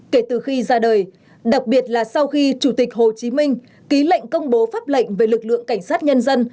kể từ khi ra đời đặc biệt là sau khi chủ tịch hồ chí minh ký lệnh công bố pháp lệnh về lực lượng cảnh sát nhân dân